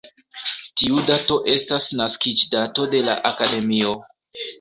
Tiu dato estas naskiĝdato de la akademio.